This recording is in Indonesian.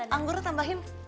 ingat anggurnya tambahin